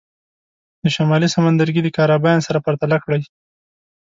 د شمالي سمندرګي د کارابین سره پرتله کړئ.